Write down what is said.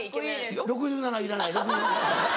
６７いらない６７。